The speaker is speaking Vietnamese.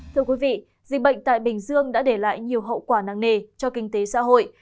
dịch bệnh tại bình dương đã để lại nhiều hậu quả năng nề cho kinh tế xã hội